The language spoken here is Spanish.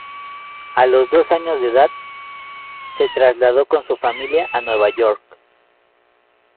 A los dos años de edad, se trasladó con su familia a Nueva York.